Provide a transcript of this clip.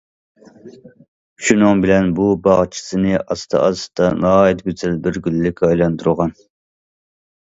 شۇنىڭ بىلەن بۇ باغچىسىنى ئاستا- ئاستا ناھايىتى گۈزەل بىر گۈللۈككە ئايلاندۇرغان.